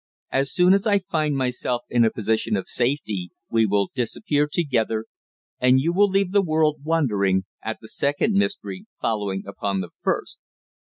As soon as I find myself in a position of safety we will disappear together, and you will leave the world wondering at the second mystery following upon the first."